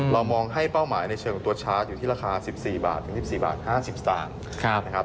เรามองให้เป้าหมายในเชิงของตัวชาร์จอยู่ที่ราคา๑๔๑๔๕๐บาท